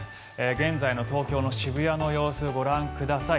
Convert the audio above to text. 現在の東京の渋谷の様子ご覧ください。